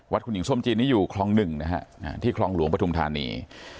วัดขุนหญิงส้มจีนนี่อยู่คล้องหนึ่งนะฮะที่คล้องหลวงประทุมฐานี